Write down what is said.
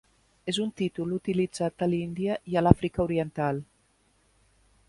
És un títol utilitzat a l'Índia i a l'Àfrica oriental.